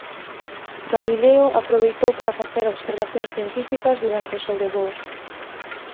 Galileo aproveitou para facer observacións científicas durante os sobrevoos.